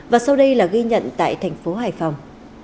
và sau đây là ghi nhận tại thành phố hải phòng